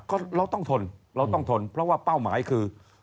ก็เราต้องทนเราต้องทนเพราะว่าเป้าหมายคือ